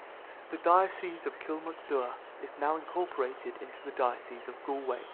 The Diocese of Kilmacduagh is now incorporated into the Diocese of Galway.